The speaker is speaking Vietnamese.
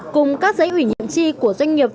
cùng các giấy ủy nhiệm chi của doanh nghiệp